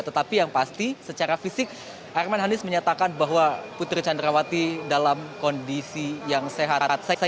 tetapi yang pasti secara fisik arman hanis menyatakan bahwa putri candrawati dalam kondisi yang sehat